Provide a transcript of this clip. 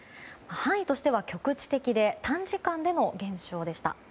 範囲としては局地的で短時間での現象でした。